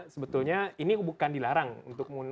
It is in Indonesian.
sebetulnya ini bukan dilarang untuk